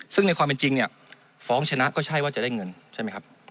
ซึ่งในความเป็นจริงเนี่ยฟ้องชนะก็ใช่ว่าจะได้เงินใช่ไหมครับ